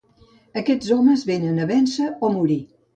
Aquests homes vénen a vèncer o morir.